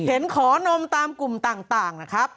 เห็นขอนมตามกลุ่มต่างนะครับ